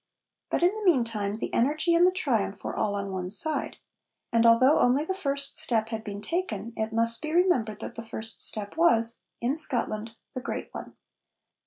But, in the meantime, the energy and the triumph were all on one side. And although only the first step had been taken, it must be remembered that the first step was, in Scotland, the great one.